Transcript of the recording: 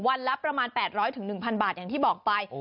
ละประมาณ๘๐๐๑๐๐บาทอย่างที่บอกไป